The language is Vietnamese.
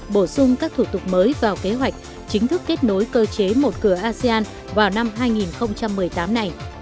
bổ sung các thủ tục mới vào kế hoạch chính thức kết nối cơ chế một cửa asean vào năm hai nghìn một mươi tám này